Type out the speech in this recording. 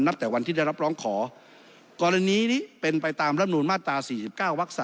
แต่วันที่ได้รับร้องขอกรณีนี้เป็นไปตามรับนูลมาตรา๔๙วัก๓